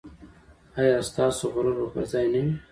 ایا ستاسو غرور به پر ځای نه وي؟